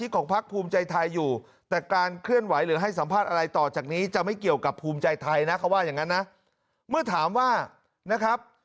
กับภูมิใจไทยนะเขาว่าอย่างนั้นนะเมื่อถามว่านะครับ